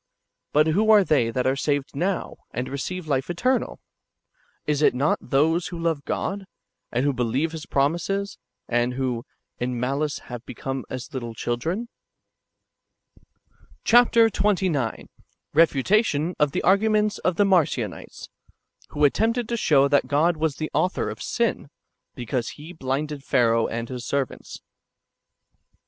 But who are they that are saved now, and receive life eternal ? Is it not those who love God, and who be lieve His promises, and who "■ in malice have become as little children?" 2 Chap. XXIX. — Refutation of the arguments of tlie Marcionites, loho attempted to sJioiv that God icas the author of sin, because He blinded Pharaoh and his servants.